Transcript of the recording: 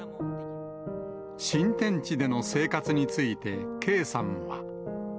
新天地での生活について、圭さんは。